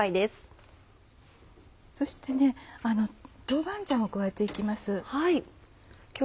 そして豆板醤を加えて行きます。